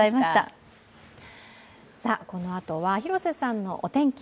このあとは広瀬さんのお天気。